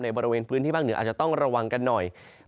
บริเวณพื้นที่ภาคเหนืออาจจะต้องระวังกันหน่อย